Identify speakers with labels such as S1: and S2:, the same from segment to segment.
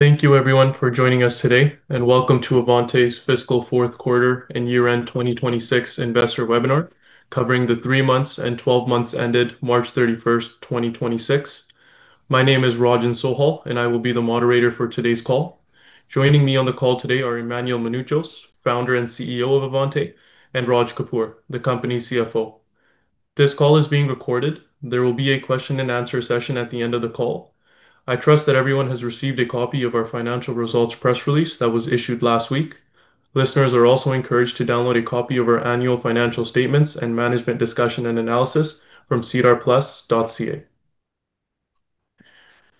S1: Thank you, everyone, for joining us today. Welcome to Avante's fiscal Q4 and year-end 2026 investor webinar, covering the three-months and 12-months ended March 31st, 2026. My name is Rajan Sohal. I will be the moderator for today's call. Joining me on the call today are Emmanuel Mounouchos, founder and CEO of Avante, Raj Kapoor, the company CFO. This call is being recorded. There will be a Q&A session at the end of the call. I trust that everyone has received a copy of our financial results press release that was issued last week. Listeners are also encouraged to download a copy of our annual financial statements and management discussion and analysis from sedarplus.ca.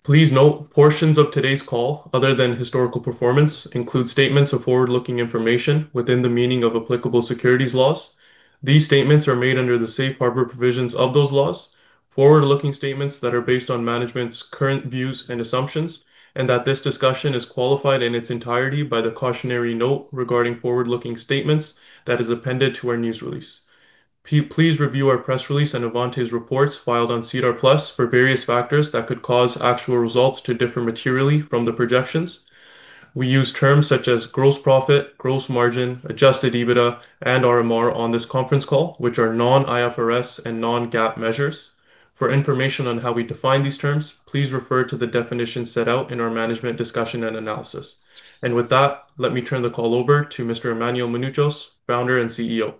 S1: Please note portions of today's call, other than historical performance, include statements of forward-looking information within the meaning of applicable securities laws. These statements are made under the safe harbor provisions of those laws. Forward-looking statements that are based on management's current views and assumptions, that this discussion is qualified in its entirety by the cautionary note regarding forward-looking statements that is appended to our news release. Please review our press release and Avante's reports filed on SEDAR+ for various factors that could cause actual results to differ materially from the projections. We use terms such as gross profit, gross margin, adjusted EBITDA, RMR on this conference call, which are non-IFRS and non-GAAP measures. For information on how we define these terms, please refer to the definitions set out in our management discussion and analysis. With that, let me turn the call over to Mr. Emmanuel Mounouchos, founder and CEO.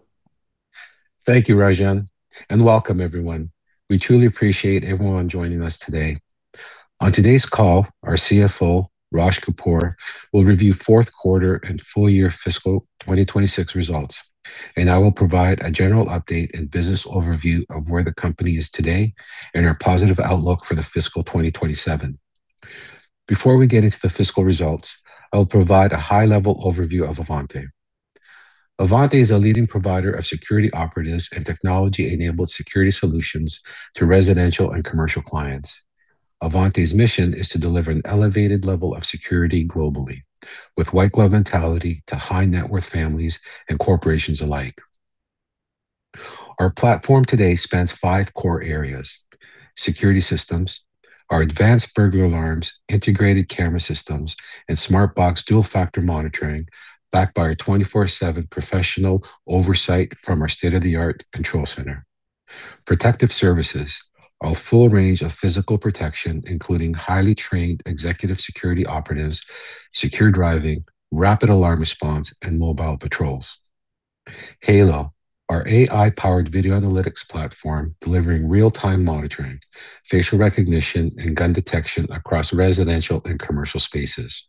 S2: Thank you, Rajan. Welcome, everyone. We truly appreciate everyone joining us today. On today's call, our CFO, Raj Kapoor, will review Q4 and full-year fiscal 2026 results. I will provide a general update and business overview of where the company is today and our positive outlook for the fiscal 2027. Before we get into the fiscal results, I will provide a high-level overview of Avante. Avante is a leading provider of security operatives and technology-enabled security solutions to residential and commercial clients. Avante's mission is to deliver an elevated level of security globally, with white-glove mentality to high-net-worth families and corporations alike. Our platform today spans five core areas: security systems, our advanced burglar alarms, integrated camera systems, Smartboxx dual-factor monitoring backed by our 24/7 professional oversight from our state-of-the-art control center. Protective services: our full range of physical protection, including highly trained executive security operatives, secure driving, rapid alarm response, mobile patrols. HALO: our AI-powered video analytics platform delivering real-time monitoring, facial recognition, Gun Detection across residential and commercial spaces.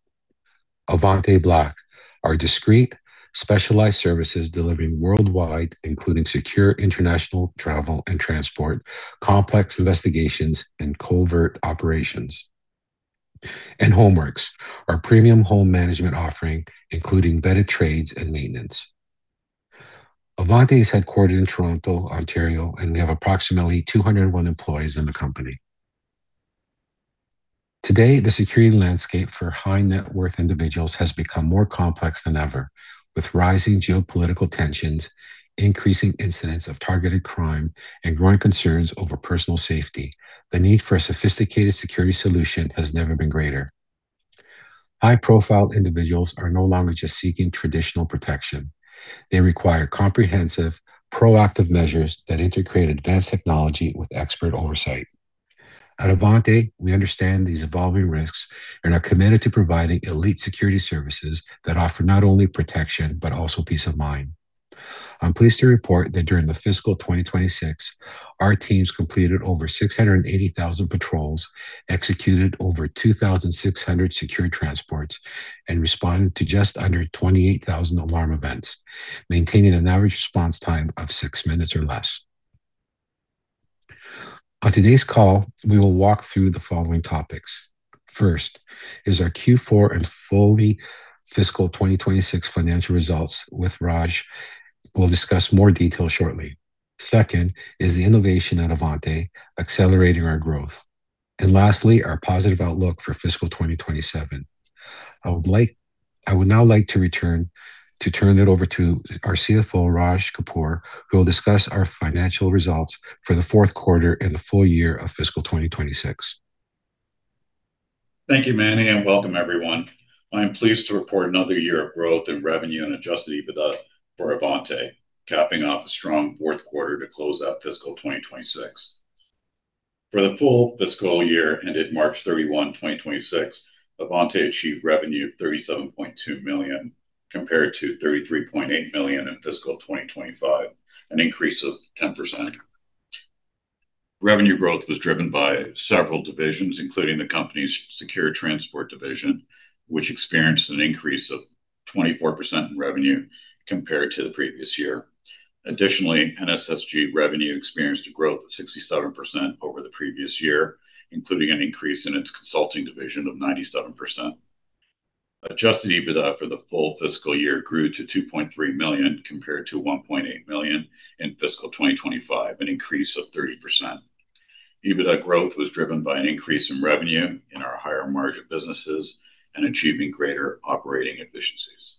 S2: Avante Black: our discrete, specialized services delivering worldwide, including secure international travel and transport, complex investigations, covert operations. Homeworxx: our premium home management offering, including vetted trades and maintenance. Avante is headquartered in Toronto, Ontario. We have approximately 201 employees in the company. Today, the security landscape for high-net-worth individuals has become more complex than ever, with rising geopolitical tensions, increasing incidents of targeted crime, growing concerns over personal safety. The need for a sophisticated security solution has never been greater. High-profile individuals are no longer just seeking traditional protection. They require comprehensive, proactive measures that integrate advanced technology with expert oversight. At Avante, we understand these evolving risks and are committed to providing elite security services that offer not only protection but also peace of mind. I'm pleased to report that during the fiscal 2026, our teams completed over 680,000 patrols, executed over 2,600 secure transports, and responded to just under 28,000 alarm events, maintaining an average response time of 6 minutes or less. On today's call, we will walk through the following topics. First is our Q4 and fully fiscal 2026 financial results, which Raj will discuss in more detail shortly. Second is the innovation at Avante, accelerating our growth. Lastly, our positive outlook for fiscal 2027. I would now like to turn it over to our CFO, Raj Kapoor, who will discuss our financial results for the Q4 and the full year of fiscal 2026.
S3: Thank you, Manny, and welcome, everyone. I am pleased to report another year of growth in revenue and adjusted EBITDA for Avante, capping off a strong Q4 to close out fiscal 2026. For the full fiscal year ended March 31, 2026, Avante achieved revenue of 37.2 million, compared to 33.8 million in fiscal 2025, an increase of 10%. Revenue growth was driven by several divisions, including the company's secure transport division, which experienced an increase of 24% in revenue compared to the previous year. Additionally, NSSG revenue experienced a growth of 67% over the previous year, including an increase in its consulting division of 97%. Adjusted EBITDA for the full fiscal year grew to 2.3 million, compared to 1.8 million in fiscal 2025, an increase of 30%. EBITDA growth was driven by an increase in revenue in our higher-margin businesses and achieving greater operating efficiencies.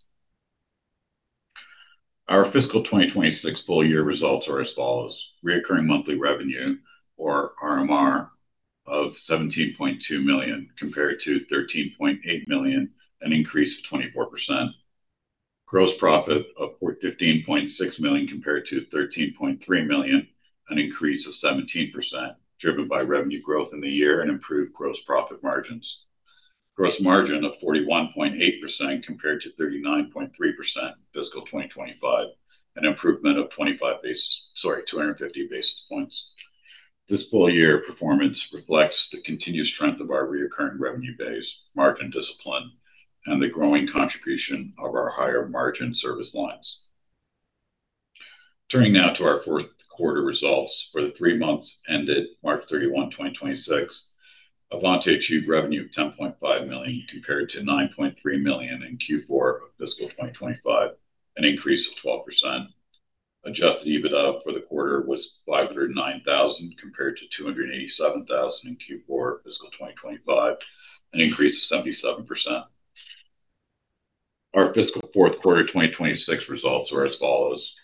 S3: Our fiscal 2026 full-year results are as follows: reoccurring monthly revenue, or RMR, of 17.2 million, compared to 13.8 million, an increase of 24%. Gross profit of 15.6 million, compared to 13.3 million, an increase of 17%, driven by revenue growth in the year and improved gross profit margins. Gross margin of 41.8%, compared to 39.3% in fiscal 2025, an improvement of 250 basis points. This full-year performance reflects the continued strength of our reoccurring revenue base, margin discipline, and the growing contribution of our higher-margin service lines. Turning now to our Q4 results for the three-month ended March 31, 2026: Avante achieved revenue of 10.5 million, compared to 9.3 million in Q4 of fiscal 2025, an increase of 12%. Adjusted EBITDA for the quarter was 509,000, compared to 287,000 in Q4 of fiscal 2025, an increase of 77%. Our fiscal Q4 2026 results are as follows: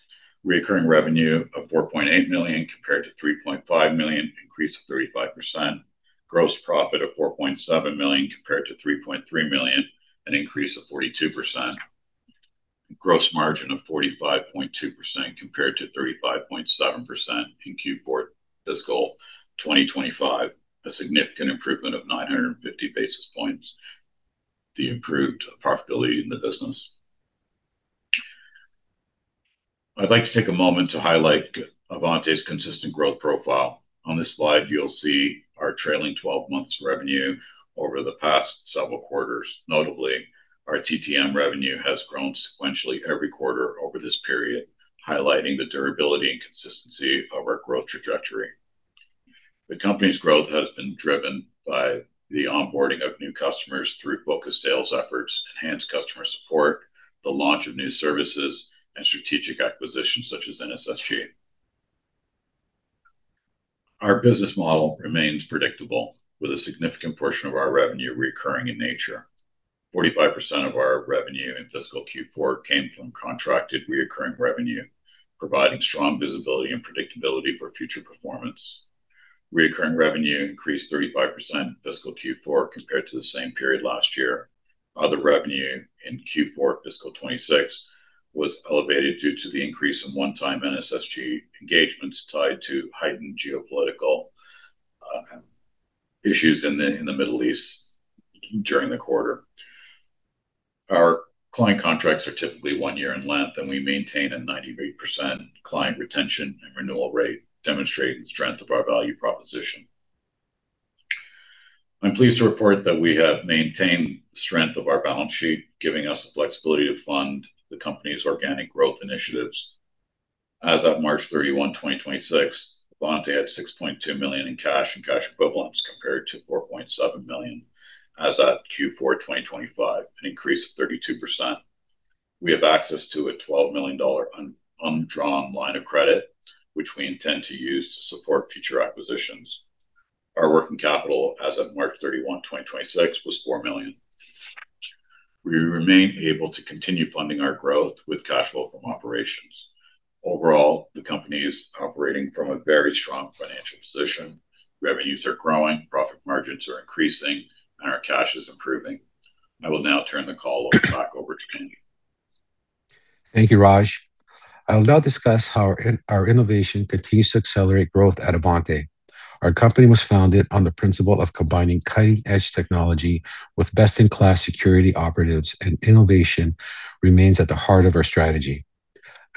S3: reoccurring revenue of 4.8 million, compared to 3.5 million, an increase of 35%. Gross profit of 4.7 million, compared to 3.3 million, an increase of 42%. Gross margin of 45.2%, compared to 35.7% in Q4 fiscal 2025, a significant improvement of 950 basis points. The improved profitability in the business. I'd like to take a moment to highlight Avante's consistent growth profile. On this slide, you'll see our trailing 12-months revenue over the past several quarters. Notably, our TTM revenue has grown sequentially every quarter over this period, highlighting the durability and consistency of our growth trajectory. The company's growth has been driven by the onboarding of new customers through focused sales efforts, enhanced customer support, the launch of new services, and strategic acquisitions such as NSSG. Our business model remains predictable, with a significant portion of our revenue reoccurring in nature. 45% of our revenue in fiscal Q4 came from contracted recurring revenue, providing strong visibility and predictability for future performance. Recurring revenue increased 35% in fiscal Q4 compared to the same period last year. Other revenue in Q4 fiscal 2026 was elevated due to the increase in one-time NSSG engagements tied to heightened geopolitical issues in the Middle East during the quarter. Our client contracts are typically one year in length, and we maintain a 98% client retention and renewal rate, demonstrating the strength of our value proposition. I'm pleased to report that we have maintained the strength of our balance sheet, giving us the flexibility to fund the company's organic growth initiatives. As of March 31, 2026, Avante had 6.2 million in cash and cash equivalents, compared to 4.7 million as of Q4 2025, an increase of 32%. We have access to a 12 million dollar undrawn line of credit, which we intend to use to support future acquisitions. Our working capital as of March 31, 2026, was 4 million. We remain able to continue funding our growth with cash flow from operations. Overall, the company is operating from a very strong financial position. Revenues are growing, profit margins are increasing. Our cash is improving. I will now turn the call back over to Manny.
S2: Thank you, Raj. I will now discuss how our innovation continues to accelerate growth at Avante. Our company was founded on the principle of combining cutting-edge technology with best-in-class security operatives, and innovation remains at the heart of our strategy.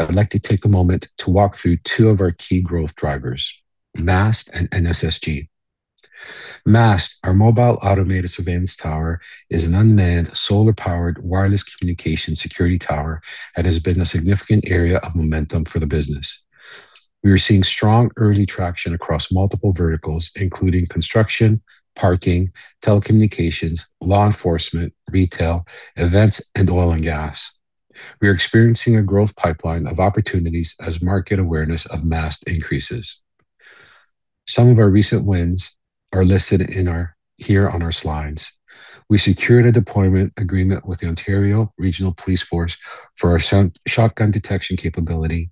S2: I would like to take a moment to walk through two of our key growth drivers: MAST and NSSG. MAST, our Mobile Automated Surveillance Tower, is an unmanned, solar-powered, wireless communications security tower and has been a significant area of momentum for the business. We are seeing strong early traction across multiple verticals, including construction, parking, telecommunications, law enforcement, retail, events, and oil and gas. We are experiencing a growth pipeline of opportunities as market awareness of MAST increases. Some of our recent wins are listed here on our slides. We secured a deployment agreement with the Ontario Provincial Police Force for our Gunshot Detection capability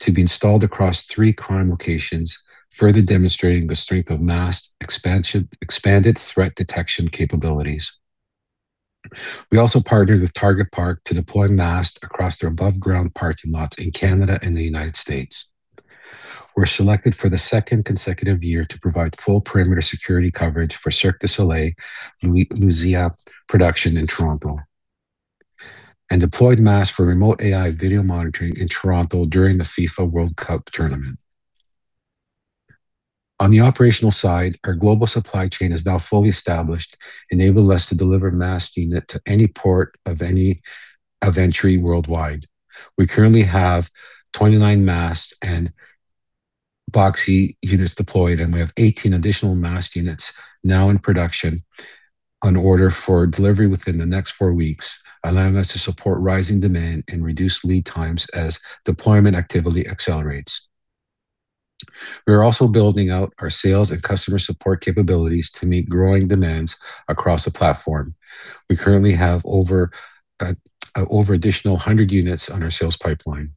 S2: to be installed across three high-crime locations, further demonstrating the strength of MAST's expanded threat detection capabilities. We also partnered with Target Park to deploy MAST across their above-ground parking lots in Canada and the U.S. We're selected for the second consecutive year to provide full perimeter security coverage for Cirque du Soleil, Luzia, production in Toronto, and deployed MAST for remote AI video monitoring in Toronto during the FIFA World Cup tournament. On the operational side, our global supply chain is now fully established, enabling us to deliver MAST units to any port of entry worldwide. We currently have 29 MAST and BOXEE units deployed, and we have 18 additional MAST units now in production on order for delivery within the next four weeks, allowing us to support rising demand and reduce lead times as deployment activity accelerates. We are also building out our sales and customer support capabilities to meet growing demands across the platform. We currently have over an additional 100 units on our sales pipeline.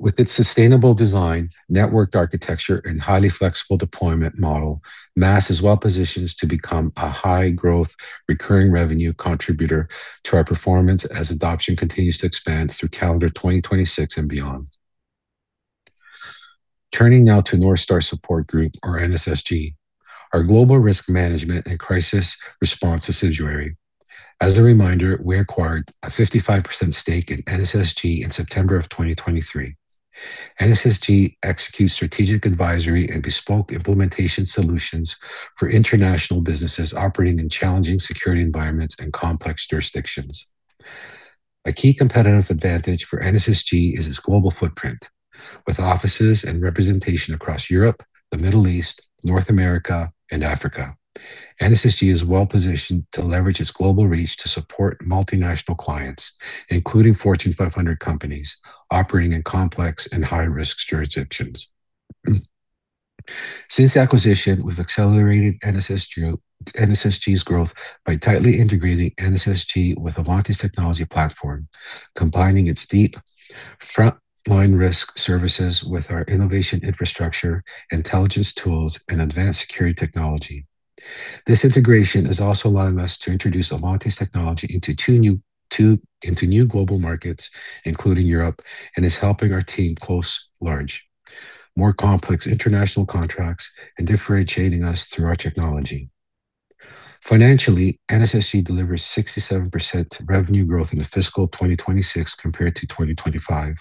S2: With its sustainable design, networked architecture, and highly flexible deployment model, MAST is well positioned to become a high-growth, recurring revenue contributor to our performance as adoption continues to expand through calendar 2026 and beyond. Turning now to North Star Support Group, or NSSG, our global risk management and crisis response subsidiary. As a reminder, we acquired a 55% stake in NSSG in September of 2023. NSSG executes strategic advisory and bespoke implementation solutions for international businesses operating in challenging security environments and complex jurisdictions. A key competitive advantage for NSSG is its global footprint. With offices and representation across Europe, the Middle East, North America, and Africa, NSSG is well positioned to leverage its global reach to support multinational clients, including Fortune 500 companies operating in complex and high-risk jurisdictions. Since the acquisition, we've accelerated NSSG's growth by tightly integrating NSSG with Avante's technology platform, combining its deep front-line risk services with our innovation infrastructure, intelligence tools, and advanced security technology. This integration is also allowing us to introduce Avante's technology into two new global markets, including Europe, and is helping our team close large, more complex international contracts, and differentiating us through our technology. Financially, NSSG delivers 67% revenue growth in the fiscal 2026 compared to 2025,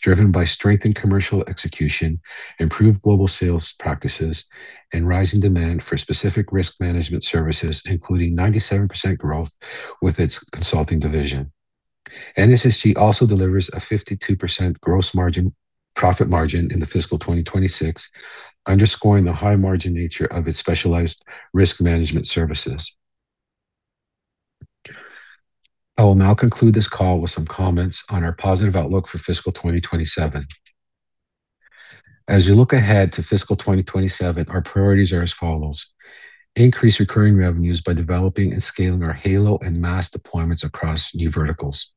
S2: driven by strengthened commercial execution, improved global sales practices, and rising demand for specific risk management services, including 97% growth with its consulting division. NSSG also delivers a 52% gross margin profit margin in the fiscal 2026, underscoring the high-margin nature of its specialized risk management services. I will now conclude this call with some comments on our positive outlook for fiscal 2027. As we look ahead to fiscal 2027, our priorities are as follows: increase recurring revenues by developing and scaling our HALO and MAST deployments across new verticals;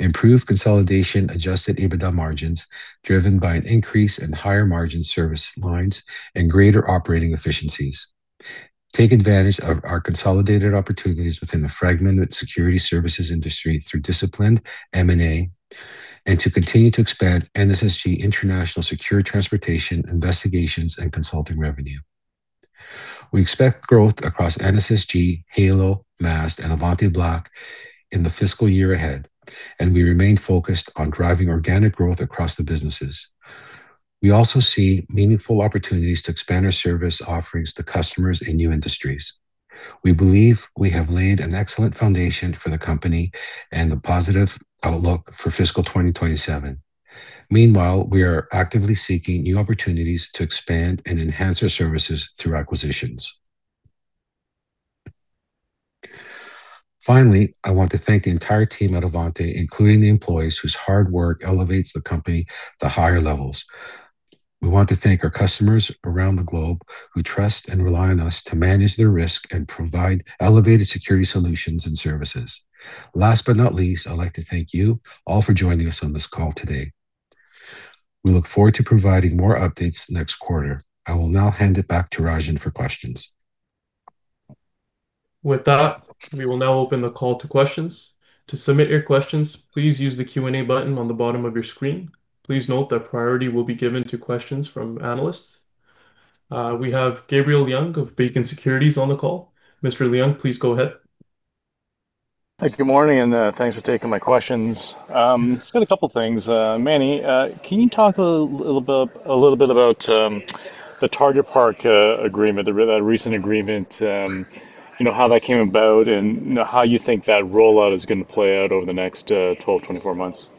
S2: improve consolidation adjusted EBITDA margins driven by an increase in higher-margin service lines and greater operating efficiencies; take advantage of our consolidated opportunities within the fragmented security services industry through disciplined M&A; and to continue to expand NSSG international secure transportation investigations and consulting revenue. We expect growth across NSSG, HALO, MAST, and Avante Black in the fiscal year ahead, and we remain focused on driving organic growth across the businesses. We also see meaningful opportunities to expand our service offerings to customers in new industries. We believe we have laid an excellent foundation for the company and the positive outlook for fiscal 2027. Meanwhile, we are actively seeking new opportunities to expand and enhance our services through acquisitions. Finally, I want to thank the entire team at Avante, including the employees whose hard work elevates the company to higher levels. We want to thank our customers around the globe who trust and rely on us to manage their risk and provide elevated security solutions and services. Last but not least, I'd like to thank you all for joining us on this call today. We look forward to providing more updates next quarter. I will now hand it back to Rajan for questions.
S1: With that, we will now open the call to questions. To submit your questions, please use the Q&A button on the bottom of your screen. Please note that priority will be given to questions from analysts. We have Gabriel Leung of Beacon Securities on the call. Mr. Leung, please go ahead.
S4: Thank you. Good morning, and thanks for taking my questions. I've got a couple of things. Manny, can you talk a little bit about the Target Park agreement, that recent agreement, how that came about, and how you think that rollout is going to play out over the next 12 to 24 months?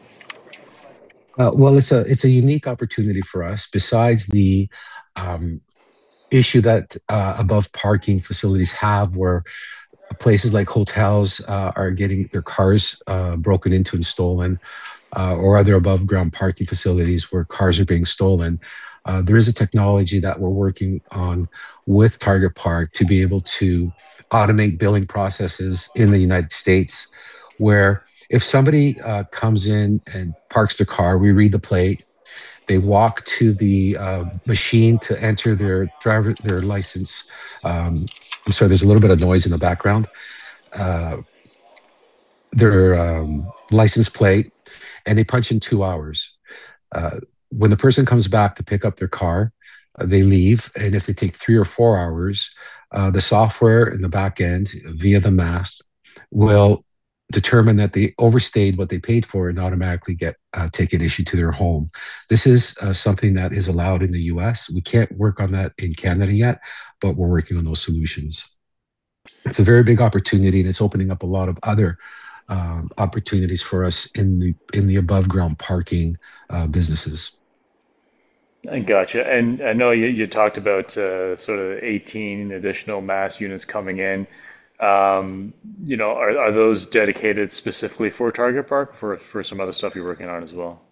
S2: Well, it's a unique opportunity for us. Besides the issue that above parking facilities have, where places like hotels are getting their cars broken into and stolen, or other above-ground parking facilities where cars are being stolen, there is a technology that we're working on with Target Park to be able to automate billing processes in the U.S., where if somebody comes in and parks their car, we read the plate, they walk to the machine to enter their license plate, and they punch in two hours. When the person comes back to pick up their car, they leave, and if they take three or four hours, the software in the back end, via the MAST, will determine that they overstayed what they paid for and automatically get a ticket issued to their home. This is something that is allowed in the U.S. We can't work on that in Canada yet. We're working on those solutions. It's a very big opportunity. It's opening up a lot of other opportunities for us in the above-ground parking businesses.
S4: Gotcha. I know you talked about sort of 18 additional MAST units coming in. Are those dedicated specifically for Target Park, or for some other stuff you're working on as well?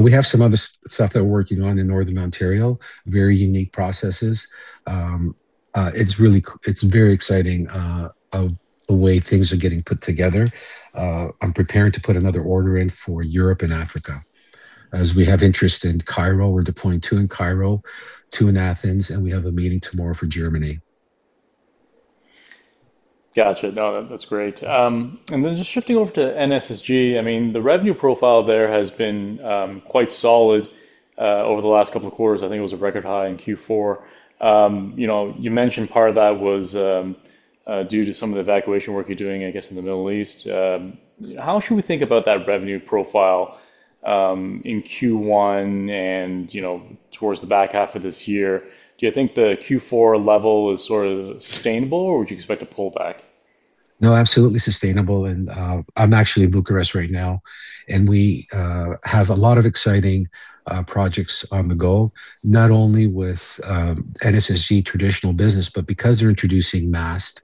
S2: We have some other stuff that we're working on in Northern Ontario, very unique processes. It's very exciting the way things are getting put together. I'm preparing to put another order in for Europe and Africa. We have interest in Cairo, we're deploying two in Cairo, two in Athens. We have a meeting tomorrow for Germany.
S4: Gotcha. No, that's great. Then just shifting over to NSSG, I mean, the revenue profile there has been quite solid over the last couple of quarters. I think it was a record high in Q4. You mentioned part of that was due to some of the evacuation work you're doing, I guess, in the Middle East. How should we think about that revenue profile in Q1 and towards the back half of this year? Do you think the Q4 level is sort of sustainable, or would you expect a pullback?
S2: No, absolutely sustainable. I'm actually in Bucharest right now, and we have a lot of exciting projects on the go, not only with NSSG traditional business, but because they're introducing MAST,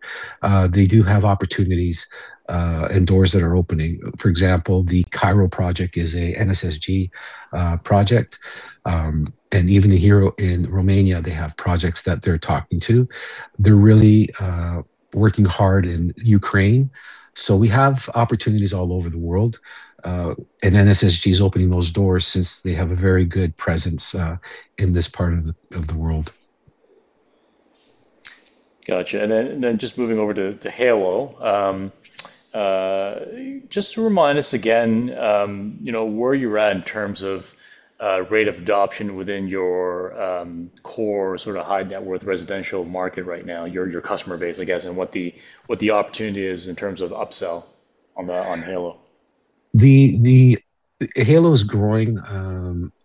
S2: they do have opportunities and doors that are opening. For example, the Cairo project is an NSSG project, and even here in Romania, they have projects that they're talking to. They're really working hard in Ukraine. We have opportunities all over the world, and NSSG is opening those doors since they have a very good presence in this part of the world.
S4: Gotcha. Just moving over to HALO. Just to remind us again, where are you at in terms of rate of adoption within your core sort of high-net-worth residential market right now, your customer base, I guess, and what the opportunity is in terms of upsell on HALO?
S2: The HALO is growing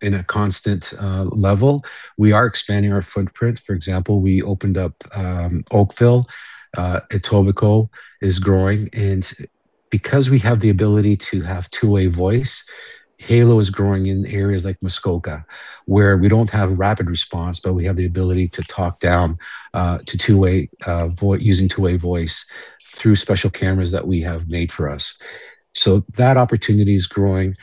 S2: at a constant level. We are expanding our footprint. For example, we opened up Oakville. Etobicoke is growing. Because we have the ability to have two-way voice, HALO is growing in areas like Muskoka, where we don't have rapid response, but we have the ability to talk down to two-way using two-way voice through special cameras that we have made for us. That opportunity is growing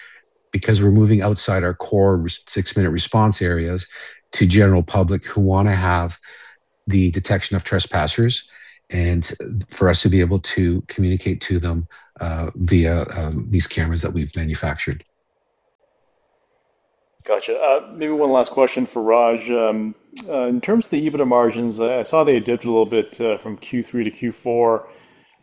S2: because we're moving outside our core six-minute response areas to general public who want to have the detection of trespassers and for us to be able to communicate to them via these cameras that we've manufactured.
S4: Gotcha. Maybe one last question for Raj. In terms of the EBITDA margins, I saw they dipped a little bit from Q3 to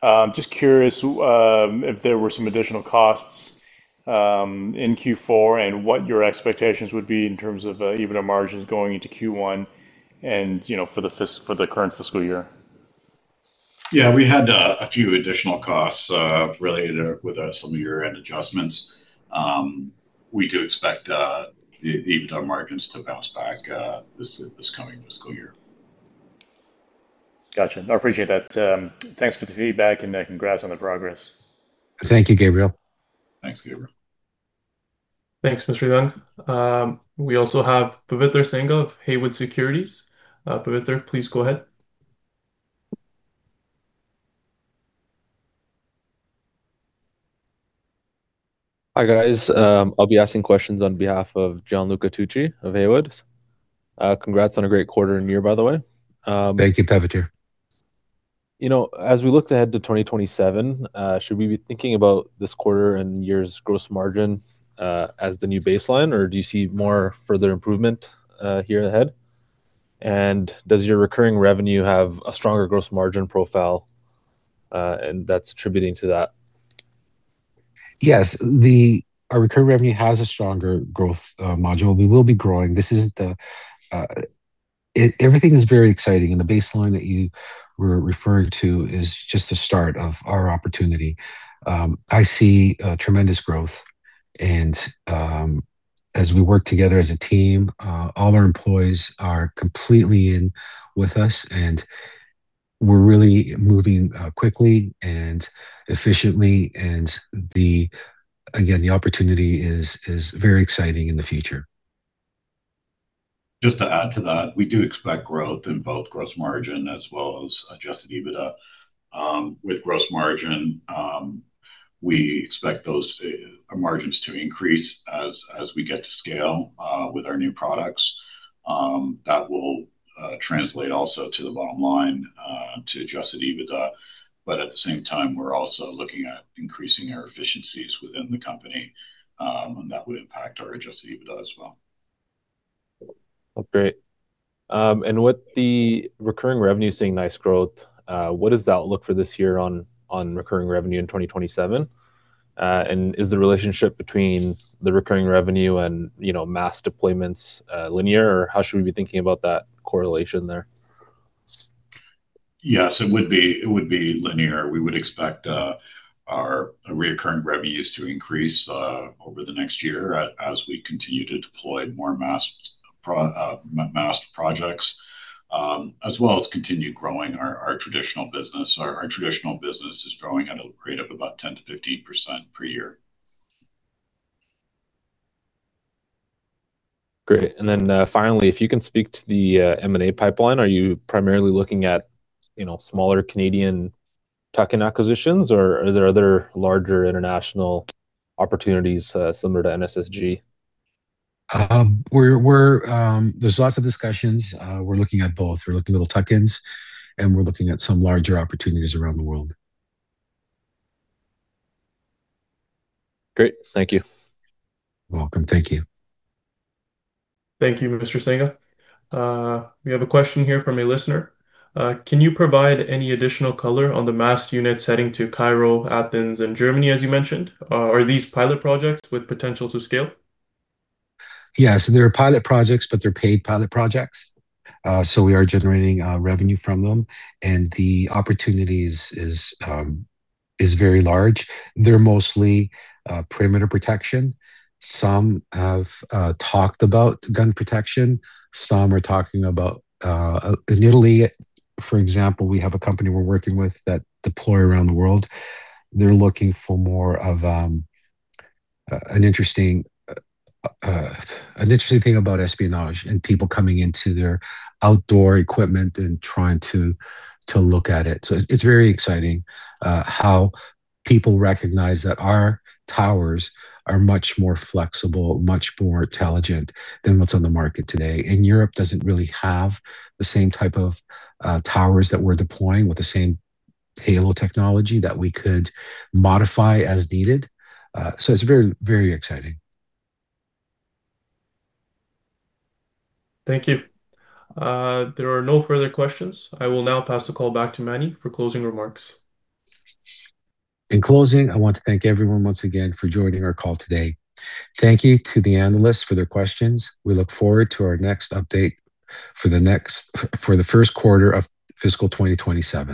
S4: Q4. Just curious if there were some additional costs in Q4 and what your expectations would be in terms of EBITDA margins going into Q1 and for the current fiscal year.
S3: Yeah, we had a few additional costs related with some year-end adjustments. We do expect the EBITDA margins to bounce back this coming fiscal year.
S4: Gotcha. I appreciate that. Thanks for the feedback and congrats on the progress.
S2: Thank you, Gabriel.
S3: Thanks, Gabriel.
S1: Thanks, Mr. Leung. We also have Paviter Sangha of Haywood Securities. Paviter, please go ahead.
S5: Hi, guys. I'll be asking questions on behalf of Gianluca Tucci of Haywood. Congrats on a great quarter and year, by the way.
S2: Thank you, Paviter.
S5: As we look ahead to 2027, should we be thinking about this quarter and year's gross margin as the new baseline, or do you see more further improvement here ahead? Does your recurring revenue have a stronger gross margin profile that's contributing to that?
S2: Yes, our recurring revenue has a stronger growth module. We will be growing. Everything is very exciting, the baseline that you were referring to is just the start of our opportunity. I see tremendous growth. As we work together as a team, all our employees are completely in with us, and we're really moving quickly and efficiently. Again, the opportunity is very exciting in the future.
S3: Just to add to that, we do expect growth in both gross margin as well as adjusted EBITDA. With gross margin, we expect those margins to increase as we get to scale with our new products. That will translate also to the bottom line to adjusted EBITDA. At the same time, we're also looking at increasing our efficiencies within the company, that would impact our adjusted EBITDA as well.
S5: Great. With the recurring revenue seeing nice growth, what does that look for this year on recurring revenue in 2027? Is the relationship between the recurring revenue and MAST deployments linear, or how should we be thinking about that correlation there?
S3: Yes, it would be linear. We would expect our recurring revenues to increase over the next year as we continue to deploy more MAST projects, as well as continue growing our traditional business. Our traditional business is growing at a rate of about 10%-15% per year.
S5: Finally, if you can speak to the M&A pipeline, are you primarily looking at smaller Canadian tech acquisitions, or are there other larger international opportunities similar to NSSG?
S2: There's lots of discussions. We're looking at both. We're looking at little tuck-ins, and we're looking at some larger opportunities around the world.
S5: Great. Thank you.
S2: You're welcome. Thank you.
S1: Thank you, Mr. Sangha. We have a question here from a listener. Can you provide any additional color on the MAST units heading to Cairo, Athens, and Germany, as you mentioned? Are these pilot projects with potential to scale?
S2: Yes, they're pilot projects, but they're paid pilot projects. We are generating revenue from them, and the opportunity is very large. They're mostly perimeter protection. Some have talked about gun protection. Some are talking about in Italy, for example, we have a company we're working with that deploy around the world. They're looking for more of an interesting thing about espionage and people coming into their outdoor equipment and trying to look at it. It's very exciting how people recognize that our towers are much more flexible, much more intelligent than what's on the market today. Europe doesn't really have the same type of towers that we're deploying with the same HALO technology that we could modify as needed. It's very, very exciting.
S1: Thank you. There are no further questions. I will now pass the call back to Manny for closing remarks.
S2: In closing, I want to thank everyone once again for joining our call today. Thank you to the analysts for their questions. We look forward to our next update for the first quarter of fiscal 2027.